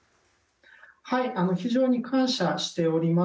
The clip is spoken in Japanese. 非常に感謝しております。